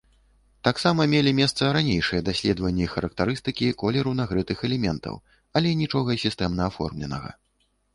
Таксама мелі месца ранейшыя даследванні характарыстыкі колеру нагрэтых элементаў, але нічога сістэмна аформленага.